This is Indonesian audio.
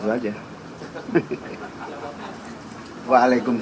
itu sudah disampaikan ke jokowi